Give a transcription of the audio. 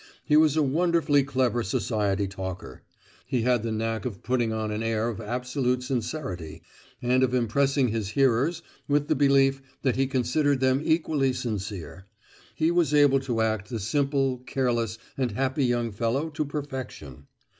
He was a wonderfully clever society talker. He had the knack of putting on an air of absolute sincerity, and of impressing his hearers with the belief that he considered them equally sincere; he was able to act the simple, careless, and happy young fellow to perfection.